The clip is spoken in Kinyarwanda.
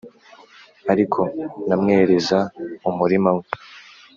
Ariko namwereza umurima we